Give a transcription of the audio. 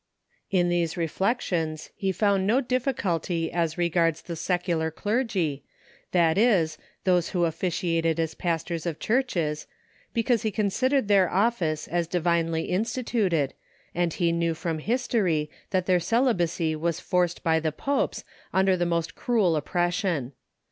In these reflections he found no difficulty as regards the secular clergy, that is, those who officiated as pastors of churches, because he considered their office as divinely instituted, and he knew from history that their celibacy was forced by the popes under the most cruel oppression.